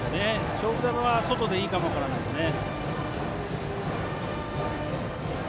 勝負球は外でいいかも分からないですね。